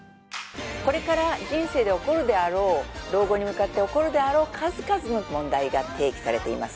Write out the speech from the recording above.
これから人生で起こるであろう老後に向かって起こるであろう数々の問題が提起されています